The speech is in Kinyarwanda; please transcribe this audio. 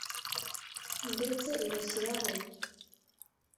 Ndetse inashyiraho